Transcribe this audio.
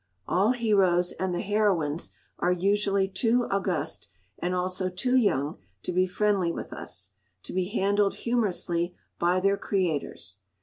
All heroes and the heroines are usually too august, and also too young, to be friendly with us; to be handled humorously by their creators.